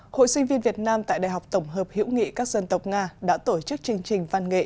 hội sinh viên việt nam tại đại học tổng hợp hiểu nghị các dân tộc nga đã tổ chức chương trình văn nghệ